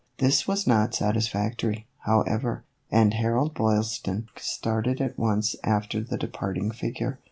This was not satisfactory, however, and Harold Boylston started at once after the departing figure.